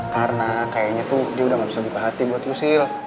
karena kayaknya tuh dia udah nggak bisa dita hati buat lu siel